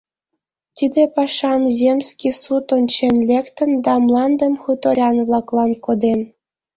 Тиде пашам земский суд ончен лектын да мландым хуторян-влаклан коден.